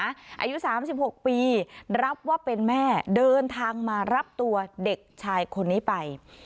อายุ๓๖ปีรับว่าเป็นแม่เดินทางมารับตัวเด็กชายคนนี้ไป